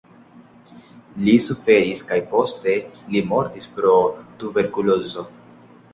Li suferis kaj poste li mortis pro tuberkulozo.